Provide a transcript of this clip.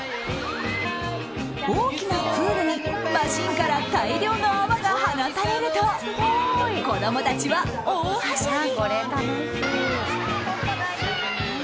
大きなプールにマシンから大量の泡が放たれると子供たちは大はしゃぎ！